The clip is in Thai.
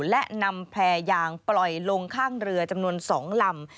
และนำแพรยางปล่อยลงข้างเรือจำนวน๒ลำ